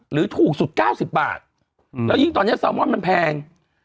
หรือถูกสุด๙๐บาทแล้วยิ่งตอนนี้แซลมอนมันแพง